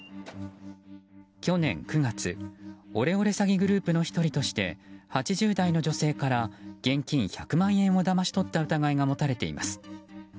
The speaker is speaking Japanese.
去年９月オレオレ詐欺グループの１人として８０代の女性から現金１００万円をだまし取った疑いが持たれています。